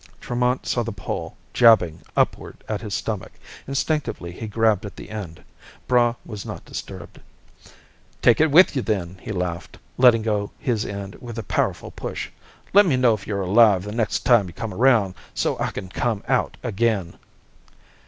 Tremont saw the pole jabbing upward at his stomach. Instinctively, he grabbed at the end. Braigh was not disturbed. "Take it with you, then!" he laughed, letting go his end with a powerful push. "Let me know if you're alive the next time you come around, so I can come out again."